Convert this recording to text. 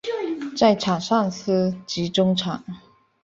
在场上司职中场。